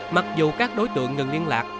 mặc dù các đối tượng ngừng liên lạc